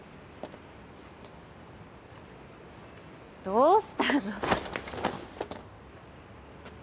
どうしたの？